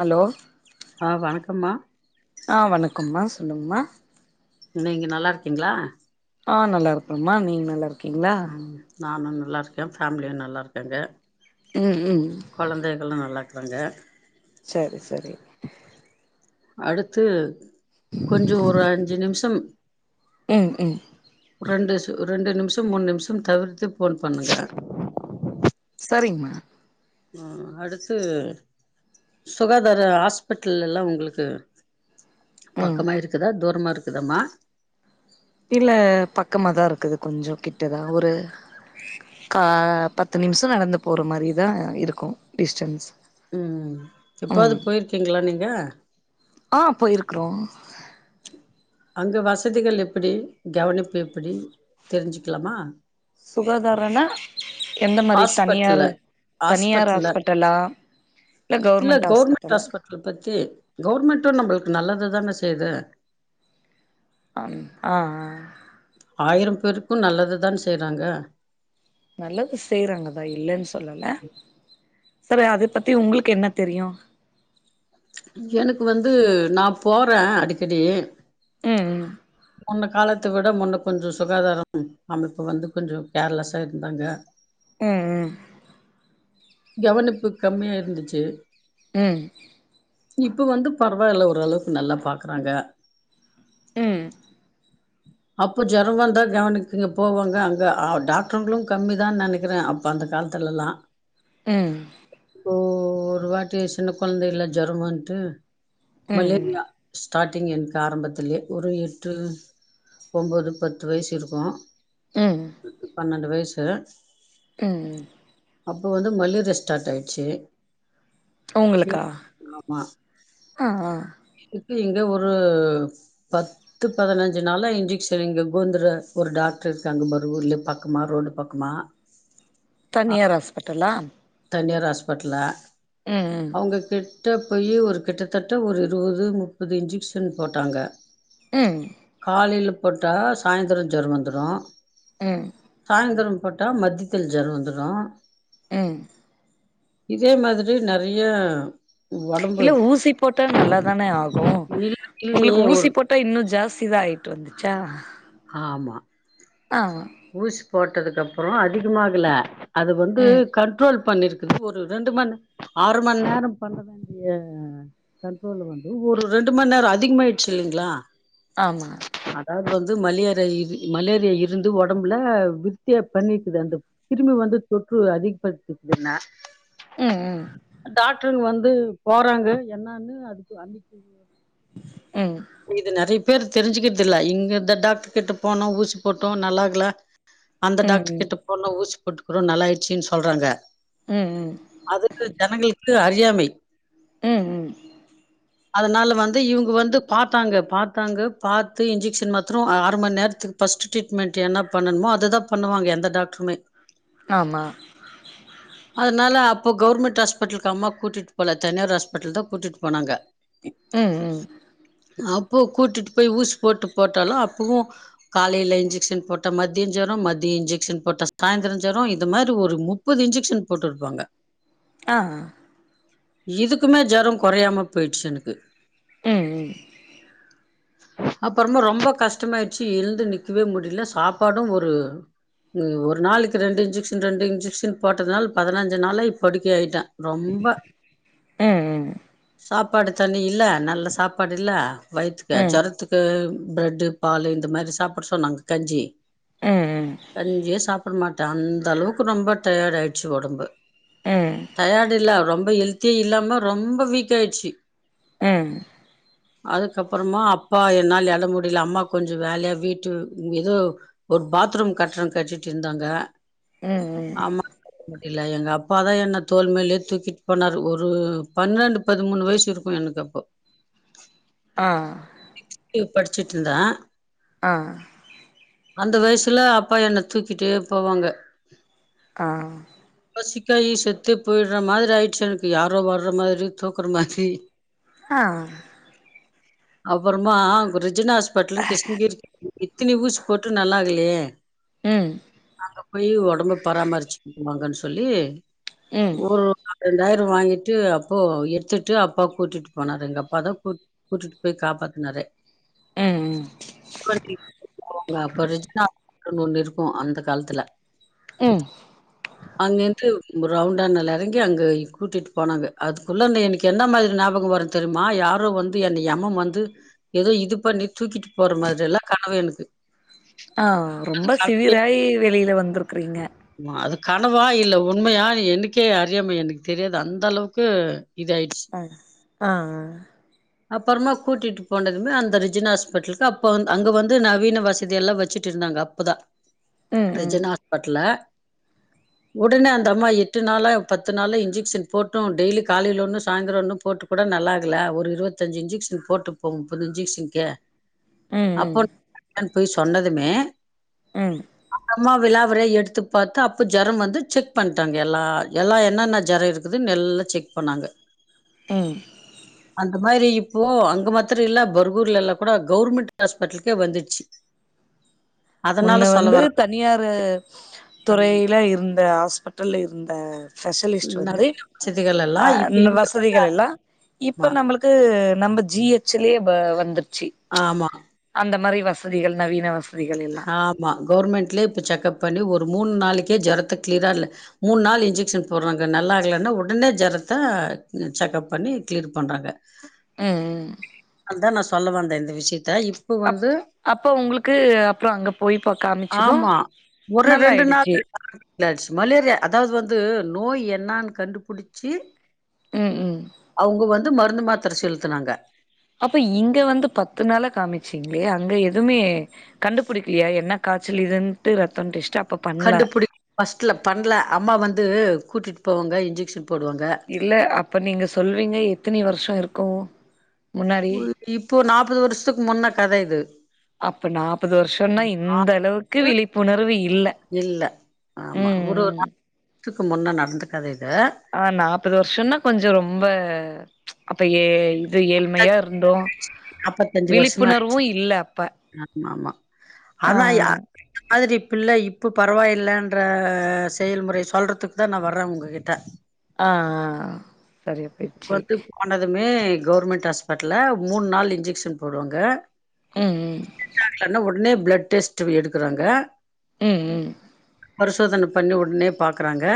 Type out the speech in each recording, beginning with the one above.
Hello ஆ வணக்கம்மா ஆ வணக்கம்மா சொல்லுங்மா நீங்க நல்லா இருக்கீங்களா? ஆ நல்லா இருக்கிறம்மா நீங்க நல்லா இருக் ம் நா நல் லா இருக்கே ஃபேமிலியு நல்லா இருக்காங்க. ம் ம் கொழந்தைகளு நல்லா இருக்கறாங்க செரி செரி அடுத்து கொஞ்சோ ஒரு அஞ்சு நிமிஷம் ம் ம் ரெண்டு சொ ரெண்டு நிமிஷ ம் மூணு நிமிஷம் தவிர்த்து போன் பண்ணுங்க சரிங்ம்மா ஆ அடுத்து சுகாதார ஹாஸ்பிட்டல் எல்லா உங்களுக்கு ம் பக்கமா இருக்குதா தூரமா இரு க்குதாம்மா இல்ல பக்கமாதா இருக்குது கொஞ்சோ கிட்டதா ஒரு கா பத்து நிமிஷோ நடந்து போற மாரிதா இருக்கு டிஸ்டன்ஸ் ம் எப்பாது ம் போயிருக்கீங்களா நீங்க? ஆ போயிருக்குறோ அங்க வசதிகள் எப்பிடி கவனிப்பு எப்பிடி தெரிஞ்சுக்கலாமா? சுகாதாரனா எந்த மாரி தனியாரு ஹாஸ்பிட்டல்ல தனியார் ஹாஸ்பிட்டல்ல ஹாஸ்பிட்டலா இல்ல கவர்மெண்ட் கவுர்மெண்ட் ஹாஸ்பிட்டலா? ஹாஸ்பிட்டல் பத்தி கவுர்மெண்ட்டு நம்பளுக்கு நல்லதுதான செய்து அன் ஆ ஆ ஆயிரம் பேருக்கு நல்லதுதான் செய்றாங்க நல்லது செய்றாங்கதா இல்லேன்னு சொல்லல. செரி அதை பத்தி உங்களுக்கு என்ன தெரியு? எனக்கு வந்து நா போறே அடிக்கடி ம் ம் முன்ன காலத்த விட முன்ன கொஞ்சொ சுகாதார அமைப்பு வந்து கொஞ்சொ கேர்லஸா இருந்தாங்க ம் ம் கவனிப்பு கம்மியா இருந்துச்சு ம் இப்ப வந்து பரவாயில்ல ஓரளவுக்கு நல்லா பாக்குறாங்க ம் அப்ப ஜொரொ வந்தா [unintelligible] போவோங்க அங்க டாக்ட்ருங்களு கம்மி தான் நனக்கிறே அப்ப அந்த காலத்துலல்லா ம் ஓ ஒரு வாட்டி சின்ன கொழந்தைல ஜொர வன்ட்டு ம் மலேரியா ஸ்டார்டிங் என்க்கு ஆரம்பத்துலே ஒரு எட்டு ஒம்போது பத்து வயசு இருக்கு பன்னெண்டு வய சு ம் ம் அப்ப வந்து மலேரியா ஸ்டார்ட் ஆயிட்ச்சு அவுங்களுக்கா ஆ ஆ இதுக்கு இங்க ஒரு பத்து பதின ஞ்சு நாளா இன்ஜெக்ஷன் இங்க கோந்தர ஒரு டாக்டர் இருக்காங்க மரு ஊர்ல பக்கமா ரோடு பக்கமா அ, தனியார் ஹாஸ்பிட்டலா? தனியார் ஹாஸ்பிட்டலா ம் அவுங்க கி ட்ட போயி ஒரு கிட்டத்தட்ட ஒரு இருவது முப்பது இன்ஜெக்ஷன் போட்டாங்க ம் காலைல போட்டா சாய்ந்திர ஜொரொ வந்துரு ம் சாயந்தரம் போட்டா மத்தியத்தில் ஜொரொ வந்துரு ம் இதே மாதிரி நறைய இல்ல ஊசி போட்ட நல்லாதானே ஆகு இல்ல உங்ளுக்கு இல்லையே ஒரு ஊசி போட்டா இன்னு ஜாஸ்தி தா ஆயிட்டு வந்துச்சா? ஆ ஆமா ஆ ஊசி போட்டதுக்கு அப்றோம் அதிகம் ஆகல அது வந்து ம் கண்ட்ரோல் பண்ணிருக்குது ஒரு ரெண்டு மணி ஆறு மணி நேரம் பண்ண வேண்டிய கண்ட்ரோல் வந்து ஒரு ரெண்டு மணி நேரம் அதிகமாயிடுச்சு இல்லங்களா ஆமா வந்து மலேரி மலேரியா இருந்து உடம்புல விர்த்திய பண்ணிக்குது அந்த கிருமி வந்து தொற்று அதிகப்படுத்தக்குதுன்னா ம் ம் டாக்டர் வந் து போறாங்க என்னன்னு அதுக்கு அன்னைக்கு ம் இது நறை பேர் தெரிஞ்சுக்கதில்ல இங்க இந்த டாக்டர் கிட்ட போனா ஊசி போட் அப்போவும் நல் ஆகல அந்த ம் டாக்டர் ம் கிட்ட போண்ண ஊசி போட்டுக்றோம் நல்லாயிடுச்சுன்னு சொல்றாங்க ம் ம் அதுக்கு ஜனங்களுக்கு அறி இ எம் ஐ ம் ம் அதனால வந்து இவங்க வந்து பாத்தாங்க பாத்தாங்க பாத்து இன்ஜெக்ஷன் மாத்ரும் அ அர மணி நேரத்துக்கு ஃபஸ்ட் மெண்ட் என்ன பண்ணணுமோ அது தா பண்ணுவாங்க எந்த டாக்ட்ருமே ஆமா அதனால அப் ப்போ கவர்மென்ட் ஹாஸ்படுல்க்கு அம்மா கூட்டிட்டு போல தனியார் ஹாஸ்பிட்டலுக்கு தா கூட்டிட்டு போனாங்க ம் ம் அப்போ கூட்டிட்டு போய் ஊசசி போட்டு போட்டாலும் அப்பவும் காலையில இஞ்சு க்ஷன் போட்ட மதியம் ஜோரம் மதியம் இன்ஜெக்ஷன் போட்ட சாய்ந்திர ஜோரம் இது மாரி ஒரு முப்பது இன்ஐக்ஷன் போட்டுருப்பாங்க அ அ இதுக்குமே ஜோரம் கொறையாம போயிடுச்சு எனக்கு ம் ம் அப்றமா ரொம்ப கஷ்டமாயயிடுச்சு எழுந்து நிக்கவே முடி ல்ல சாப்பாடு ஒரு ம் ஒரு நாளைக்கு ரெண்டு இன்ஜெக்ஷன் ரெண்டு இன்ஜென்க்ஷன் போட்டதுனால பதினஞ்சு நாளப் படுக்க ஆயிட்டேன் ரொம்ப ம் சாப் பாடு தண்ணி இல்ல நல்ல சாப்பாடு இல்ல வயத்துக்கு ம் ஜோரத்துக்கு பிரெட்டு பாலு இந்த மாரி சாப்ட சொன்னங்க கஞ்சி ம் கஞ்சியே சாப்ட மாட் த அந்த அளவுக்கு ரொம்ப டயடு ஆயிடுச்சு ஒடம்பு ம் டயாடில்ல ரொம் ம்ப ஹெல்த்தியே இல்லாம ரொம்ப வீக் ஆயிடுச்சு ம் அதுக்கப்புறமா அப்பா என்னால எல முடில அம்மா கொஞ்சோ வேலயா வீட்டு எதோ ஒரு பாத்ரூம் கற்றோ கட்டிட் இருந்தாங்க ம் ம் இல்ல எங்க அப்பாதா என்ன தோல்மேலயே தூக்கிட் போனாரு ஒரு பன்னெண்டு பதிமூணு வயிசு இருக்கு எனக்கு அப்போ ஆ இப் படுச்சுட்ருந்த அ அந்த வயிசுல அப்பா என்ன தூக்கிட்டே போவாங்க ஆ சிக்காயி செத்து போயிடுற மாதர ஆயிருச்சு எனக்கு யாரோ வர மாதிரி தூக்குற மாதிரி அ அப்புறமா குறி ஜின ஹாஸ்பிட்டலு கிருஷ்ணகிரி [inaudible] இத்தனை ஊசி போட்டு நல்லாகலையே ம் அங்க போய் ஒடம்பு பராமருச்சுட்டுவாங்கன்ஸ் சொல்லி ம் ரெண்டாயிரோ வாங்கிட்டு அப்போ எடுத்துட்டு அப்பா கூட்டிட்டு போனாரு எங்க அப்பா தா கூட் கூட்டிட்டு போய் காப்பாத்துனாரு ம் ம் உங்க அப்பாரு [inaudible] குன் ஒன்னு இருக்கு அந்த காலத்துல ம் அங்க இருந்து ரவுண்டண்ணல்ல எறங்கி அங்க கூட்டிட்டு போனாங்க அதுக்குள்ள எனக்கு என்ன மாதிரி ஞாபகோ வரு தெரிமா யாரோ வந்து என்னைய எமம் வந்து எதோ இது பண்ணி தூக்கிட்டு போற மாரி எல்லா கனவு எனக்கு அ ரொம்ப சிவியராயி வெளில வந்துருக்குறீங்க ஆமா அது கனவா இல்ல உண்மையா எனக்கே அறியாமே எனக்கு தெரியாது அந்த அளவுக்கு இதாயிடுச்சு அ ஆ ஆ அப்புறமா கூட்டிட்டு போனதுமே அந்த ரிஜினா ஹாஸ்பிட்டலுக்கு அப்போ அங்க வந்து நவீன வசதி எல்லா வெச்சுட்டு இருந்தாங்க அப்பதா ம் ம் ரிஜினா ஹாஸ்பெட்டல்ல ஒடனே அந்த அம்மா எட்டு நாளா பத்து நாளா இன்ஜெக்க்ஷன் போட்டு டெய்லி காலைல ஒன்னு சாயிந்துரோ ஒன்னு போட்டு கூட நல்லாகுல ஒரு இருவத்தஞ்சு இன்ஜெக்க்ஷன் போட்டு போம்போது [unintelligible] ம் ம் நான் பொய் சொன்னதுமே ம் நம்ப விலாவாரியாக எடுத்து பார்க்கா அப்போ ஜரம் வந்து செக் பண்ணிட்டாங்க எல்லா எல்லா என்னென்ன ஜரம் இருக்குதுன்ன நல்லா செக் பண்ணாங்க ம் அந்த மாரி இப்போ அங்க மாத்திர இல்ல பரர்கூர்லல்லா கூட கவுர்மெண்ட் ஹாஸ்பிட்டலுகே வந்துச் முன்ன சொல்ல வந்து வர தனியாரு ஆமா துறையில்லா இருந்த ஹாஸ்பிட்டல் இரு ந்த ஸ்பெஷலிஸ்ட் வந்து நவீன வசதிகள் எல்லா ஆ இப்ப [unintelligible] இங்க வந்து வசதிகள் எல்லா இப்ப ஆமா நம்மளுக்கு நம்ம ஜிஹச்லே வ வந்துட் ச்சி ஆமா அந்த மாரி வசதிகள் நவீனா வசதிகள் எல்லா ஆமா கவுவர்மெண்ட்லயே இப்போ செக்கப் பண்ணி ஒரு மூணு நாளைளுக்கே ஜரத்த கிளீரா இல் மூணு நாள் இன்ஜெக்ஷன் போடுறாங்க நல்லா ஆகலன்னா உடனே ஜரத்த செக்கப் பண்ணி கிளீர் பண்றாங்க ம் ம் அதா நா சொல்ல வந்த இந்த விஷயத் த இப்ப அப் வந்து அப்ப உங்களுக்கு அப்றோ அங்க போய் பா காமிச்சது ஆமா ஒரு நல்லா ரெண்டு ஆயிடுச்சு நாள் [inaudible] மலேரியா அதாவது வந்து நோய் எ என்னானு கண்டுபிடிச்சு ம் ம் து மருந்து மாத்திர செலுத்துனாங்க அப்ப இங்க வந்து பத்து நாள காமிச்சீங்களே அங்க எதுவுமே கண்டுபிடிக்கலியா என்ன காய்ச்சல் இதுட்டு ரத்தன் டெஸ்டு அப் கண்டுபிடி ஃபஸ்ட்ல பண்ணல அம்மா வந்து கூட்டிட் போவுங்க இன்ஜெக்க்ஷன் இல்ல அப்ப நீங்க சொல்வீங்க எத்தினி வருஷ் அத்த இருக்கு முன்னாடி இப்போ நாப்பது வருஷத்துக்கு முன்ன கத இது அப்ப நாற்பது வருஷனா இந்த நாலு அளவுக்கு விழிப்புணர்வு இல்ல இல்ல ம் ம் க்கு முன்ன நடந்த கத இது ஆ நாற்பது வருஷோனா கொஞ்ச ரொம்ப அப்ப ஏ இது ஏழ்மையா இருந்தோ நாப்பத்தஞ்சு வருஷமா இருக்கு. விழிப்புணர்வு இல்ல அப்ப ஆமா ஆமா ஆ ஆனா யா மாதிரி பில்ல இப்ப பரவாயில்லன்ற செயல்முறை சொல்றதுக்கு தா நா வர்ற உங்ககிட்ட ஆ ஆ ஆ இப் வந்து கொண்டதுமே கொர்மெண்ட் ஹஸ்பட்ல மூன் நாள் இன்ஜெக்க்ஷன் போடுவாங்க ம் [inaudible] ஆனா ஒட்னேப் பிளட் டெஸ்ட் வி எடுக்குறாங்க ம் ம் பருஷோதன பண்ணி ஒட்னே பாக்றாங்க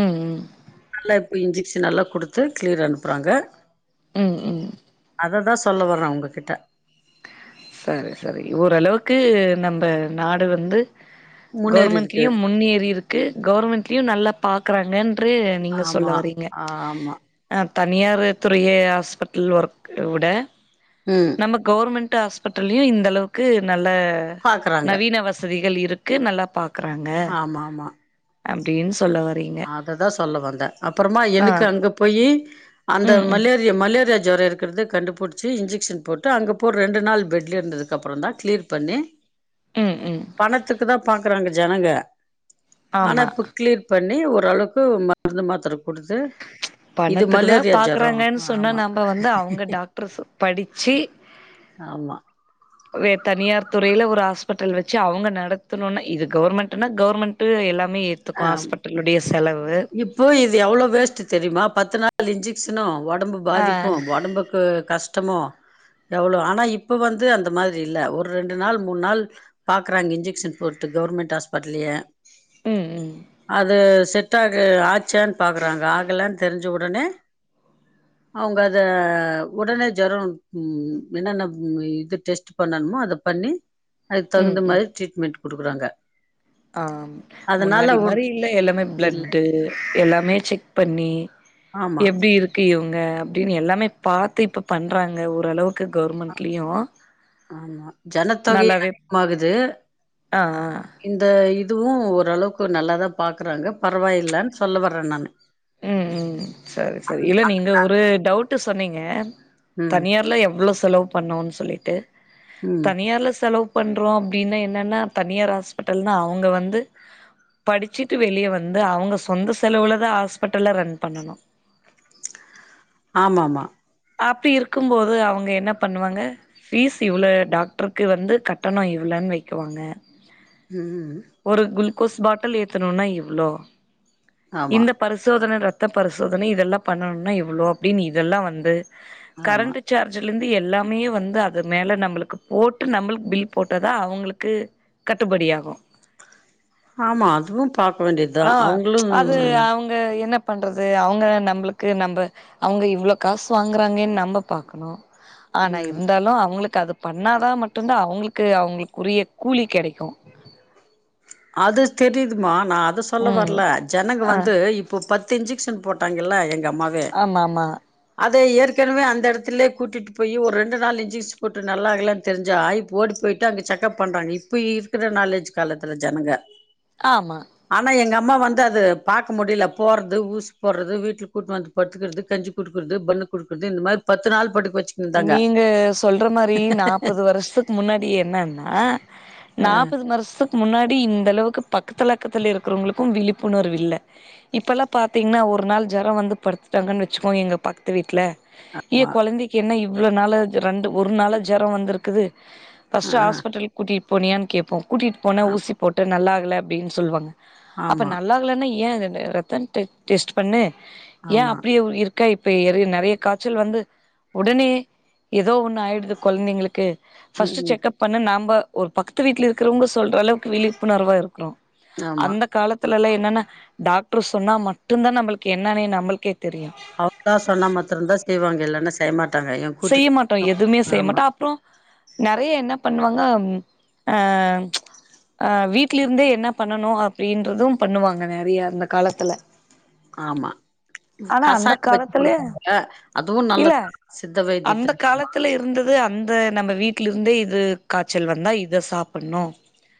ம் ம் எப்பு இன்ஜெக்ஷன் நல்லா குடுத் து கிளீர் அனுப்புறாங்க ம் ம் ம் அததா சொ சொல்ல வர்ற உங்ககிட்ட செரி செரி ஓரளவுக்கு நம்ம நாடு வந்து முன்னேறி இருக்கு கொர்மெண்ட்லயும் முன்னேறி இருக்கு கொர்மெண்ட்லயும் நல்லப் பாக்றாங்கன் று நீங்க சொல்ல ஆமா வரீங்க ஆமா அப் தனியாரு துறிய ஹாஸ்பிட்டல் ஒர்க் விட ம் நம்ம கொர்மெண்ட் டு ஹாஸ்பிட்டலையு இந்த அளவுக்கு நல் ல பாக்குறாங்க நவீன வசதி கள் இருக்கு நல்லா பாக் ஆமாமா அப்டீன்ஸ் அததா சொல்ல வந்த அப்புறமா ஆ எனுக்கு அங்க போயி அந்த ம் ம் மலேரியா மலே ரியா ஜோரோ இருக்றது கண்டுபிடிச்சு இன்ஜெக்சன் போட்டு அங்க போ ரெண்டு நாள் பெட்ல இருந்ததுக்கு அப்றோ தா க்ளியர் பண்ணி ம் ம் பணத்துக்கு தா பாக்றாங்க ஜனங்க ஆனா ஆமா இப்ப க்ளிர் பண்ணி ஓரளவுக்கு மருந்து மாத்திர குடுத்து இது பணத்துக்குதா மலேரியா ஜொரோ பாக்குறாங்கன் சொன்னா ஆமா நம்ம வந்து அவுங்க டாக்ட்ரு படிச்சு ஆமா வே தனியார் துறைல ஒரு ஹாஸ்பிட்டல் வச்சு அவுங்க நடத்தனுன்னா இது கவர்மெண்ட்டுனா கவர்மெண்ட்டு எல்லா மே ஏத்துக்கு ஆ ஹாஸ்பிட்டலுடைய செலவு இப்போ இது எவ்ளோ வேஸ்ட் தெரியுமா பத்து நாள் இன்ஜெக்ஸனு ஒடம்பு ஆ பாதிப்பு ஒடம்புக்கு கஷ் டமு எவ்ளோ ஆனா இப்ப வந்து அந்த மாரி இல்ல ஒரு ரெண்டு நாள் மூணு நாள் பாக்குறாங்க இன்ஜெக்ஷன் போட்டு கவர்மெண்ட் ஹாஸ்பிட்டலயே ம் ம் அது செட்டாக ஆச்சான் பாக்குறாங்க ஆகலன் தெரிஞ்ச உடனே அவுங்க அத உடனே ஜொரொ என்னென்ன இது டெஸ்ட் பண்ணனுமோ அத பண்ணி அதுக் ம் தகுந்த ம் மாரி ட்ரீட்மெண்ட் குடுக்குறாங்க ஆம் அதனால முன்னாடி ஒ மாரி இல்ல எல்லாமே இல்ல பிளட்டு எல்லாமே செக் பண்ணி ஆமா எப்டி இருக்கு இவுங் க அப்டின்னு எல்லாமே பாத்து இப்ப பண்றாங்க ஓரளவு ஆமா ஜனத்தொகை நல்லாவே அதிகமாகுது ஆ ஆ இந்த இ துவு ஓரளவ்க்கு நல்லாதா பாக்குறாங்க பரவாயில்லன் சொல்ல வர்றே நானு ம் ம் சரி சரி இல்ல நீங்க ஒரு டவுட் டு‌ சொன்னீங்க ம் தனியார்ல எவ்ளொ செலவு பண்ணோன் சொல்லிட்டு ம் தனியார்ல செலவு பண்றோ அப்டின்னா என்னன்னா தனியார் ஹாஸ்பிட்டல்னா அவுங்க வந்து படிச்சுட்டு வெளிய வந்து அவுங்க சொந்த செலவுலதா ஹாஸ் பட்டல்ல ரன் பண்ணனு ஆமாமா அப்டி இருக்கும்போது அவுங்க என்ன பண்ணுவாங்க ஃபீஸ் இவ்ள டாக்டருக்கு வந்து கட்டண இவ்ளன் வைக்குவாங்க ம் ம் கோஸ் பாட்டல் ஏத்தனுன்னா இவ்ளோ ஆமா இந்த பரிசோதன ரத் த பரிசோதனை இதெல்லா பண்ணனுன்னா இவ்ளோ அப்டின் இதெல்லா வந்து ஆமா கரண்ட்டு சார்ஜு லெந்து எல்லாமே வந்து அது மேல நம்மளுக்கு போட்டு நம்மளுக் பில் போட்டதா அவுங்களுக்கு கட்டுபடியாகு ஆமா அதுவும் பாக்க வேண்டியது தான் அவுங்களும் அது அவங்க என்ன பண்றது அவுங்க நம்மளுக்கு நம்ப அவுங்க இவ்ளோ காசு வாங்குறாங்கனு நம்ம பாக்கணும் ஆனா ம் இருந்தாலும் அவுங்களுக் அது பண்ணாதான் மட்டும்தான் அவுங்களுக்கு அவுங்களுக்குரிய கூலி கிடைக்கும் அது தெரியுதுமா நா அத சொல்ல ம் வரல ஜனங்க ஆ வந்து இப்போ பத் இன்ஜெக்ஷன் போட்டாங்கல்ல எங் ஆமா ஆமா அத ஏற்கனவே அந்த இடத்துலயே கூட்டிட்டு போய் ஒரு ரெண்டு நாளு இஞ்சிசு போட்டு நல்லா ஆகலன்னு தெரிஞ்சா இப்ப ஓடி போய்டிட்டு அங்கே செக்கப் பண்றாங்க இப்போ இருக்கிற நாலு இஞ்சு காலத்து ஜனங்க ஆமா சும்மா வந்து அது பாக்க முடியல போறது ஊசு போறது வீட்டுல கூட்டு வந்து படுத்துக்கிறது கஞ்சி குடுக்கறது பண்ணு குடுக்கறது இந்த மாரி பத்து நாள் படுக் நீங்க சொல்ற மாரி நாப்பது வருஷத்துக்கு முன்னாடி என்னன்னா ஆ நாப்பது வருஷம் முன்னாடி இந்தளவுக்கு பக்கத்துல பக்கத்துல இருக்கிறவங்களுக்கும் விழிப்புணர்வு இல்ல இப்பல்லாம் பாத்தீங்கன்னா ஒரு நாள் ஜோரம் வந்து படுத்துட்டாங்கனு வச்சுக்கோங்க எங்க பக்கத்து வீட்ல ஏ ஆமா குழந்தை இவ்ளோ நாளு ரெண்டு ஒரு நாளா ஜோரம் வந்திருக்குது ஆ ஃபஸ்டு ஹாஸ்பிட்டல் கூட்டி போனியானு கேப்போம் கூட்டிட்டு போன ஆ ஊசி போட்டு நல்லா இல்ல அப்டின்னு சொல்லுவாங்க அப்ப ஆமா நல்லா இல்லான ஏன் ரத்தம் டெக் டெஸ்ட் பண்ணு ஏன் ஆமா அப்டியே இருக் [unintelligible] நெறைய காய்ச்சல் வந்து உடனே இ ஏதோ ஒண்ணு ஆயிடுது கொழந்தைங்களுக்கு ம் ஃபஸ்ட் ம் செக்கப் பண்ணு நம்ம ஒரு பக்கத்து வீட்ல இருக்கிறவங்க சொல்ற அளவுக்கு விழிப்புணர்வா இருக்குறோம் ஆமா அந்த காலத்துல எல்லா என்னன்ன டாக்டர் சொன்னா மட் அவ்ளோ தா சொன்ன மத்திரதம் தான் செய்வாங்க இல்லன்னா செ டைமத் செய்ய மாட்டோ எதுவுமே செய்ய மாட்டோ அப்புறோ நெறைய என்ன பண்ணுவாங்க ஆ அ வீட்டில இருந்தே என்ன பண்ணணு அப்படின்றதும் பண்ணுவாங்க நெறைய இந்த ஆமா ஆனா அந்த கசாயம் வச்சு காலத்துல கொடுப்பாங்கள அதுவு இல்ல நல்லத அந்த காலத்துல இருந்தது அந்த நம்ம வீட்ல இருந்தே இது காய்ச்சல் வந்தா இத சாப்பிடணு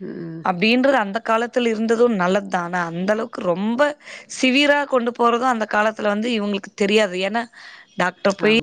ம் அப்படின்றது அந்த காலத்தில் இருந்தது நல்லது தான அந்தளவுக்கு ரொம்ப சிவீராக கொண்டு போகிறது அந்த காலத்தில வந்து இவங்களுக்கு தெரியாது ஏனா டாக்டர் ஆமா போய்